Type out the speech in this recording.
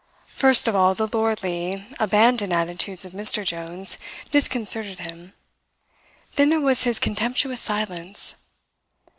First of all the lordly, abandoned attitudes of Mr. Jones disconcerted him. Then there was his contemptuous silence.